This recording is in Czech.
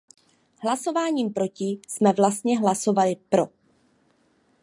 Hlasováním proti jsme vlastně hlasovali pro.